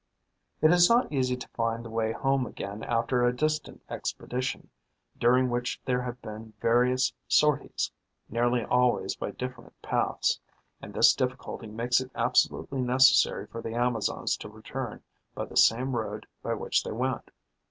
It is not easy to find the way home again after a distant expedition, during which there have been various sorties, nearly always by different paths; and this difficulty makes it absolutely necessary for the Amazons to return by the same road by which they went.